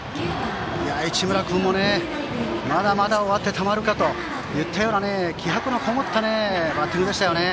市村君もまだまだ終わってたまるかといったような気迫のこもったバッティングでしたね。